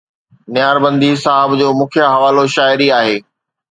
نياربندي صاحب جو مکيه حوالو شاعري آهي